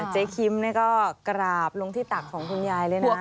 คิมนี่ก็กราบลงที่ตักของคุณยายเลยนะ